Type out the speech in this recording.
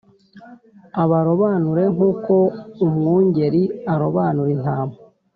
abarobanure nk’uko umwungeri arobanura intama